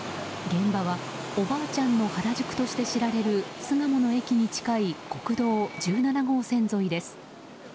現場はおばあちゃんの原宿として知られる巣鴨の駅に近い国道１７号線沿いです。